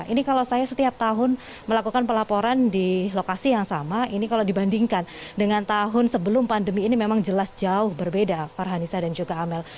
ini kalau saya setiap tahun melakukan pelaporan di lokasi yang sama ini kalau dibandingkan dengan tahun sebelum pandemi ini memang jelas jauh berbeda farhanisa dan juga amel